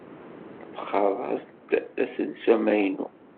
Txaḍ-as-d aselsu amaynu.